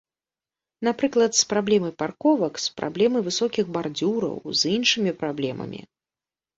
Напрыклад, з праблемай парковак, з праблемай высокіх бардзюраў, з іншымі праблемамі.